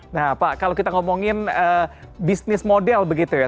nah pak kalau kita ngomongin bisnis model begitu ya